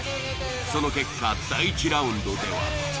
その結果第１ラウンドでは。